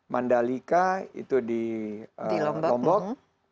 mandalika itu di lombok